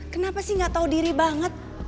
kenapa sih gak tau diri banget